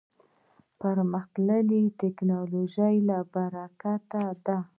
پرمختللې ټکنالوژۍ له برکته دی.